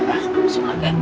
aku harus makan